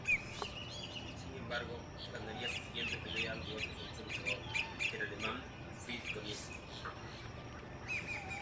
Sin embargo, ganaría su siguiente pelea ante otro famoso luchador, el alemán Fritz Konietzko.